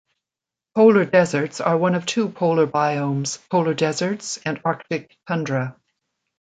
Polar deserts are one of two polar biomes: polar deserts and Arctic tundra.